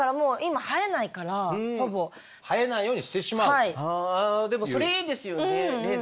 でも私でもそれいいですよね。